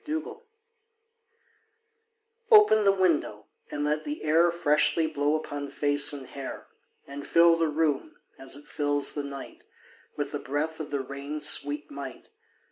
Nelson] OPEN the window, and let the air Freshly blow upon face and hair, And fill the room, as it fills the night, With the breath of the rain's sweet might.